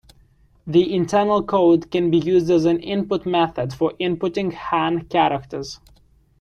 The internal code can be used as an input method for inputting Han characters.